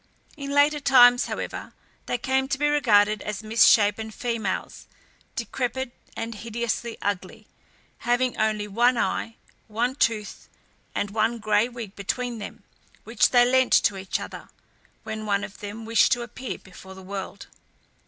In later times, however, they came to be regarded as misshapen females, decrepid, and hideously ugly, having only one eye, one tooth, and one gray wig between them, which they lent to each other, when one of them wished to appear before the world.